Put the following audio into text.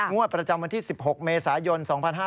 ประจำวันที่๑๖เมษายน๒๕๕๙